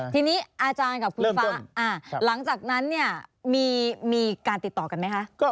ทีนี้อาจารย์กับคุณฟ้าหลังจากนั้นเนี่ยมีการติดต่อกันไหมคะ